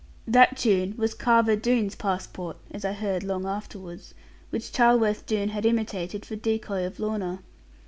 That tune was Carver Doone's passport (as I heard long afterwards), which Charleworth Doone had imitated, for decoy of Lorna.